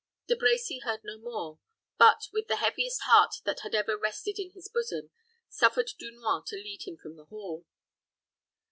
De Brecy heard no more; but, with the heaviest heart that had ever rested in his bosom, suffered Dunois to lead him from the hall.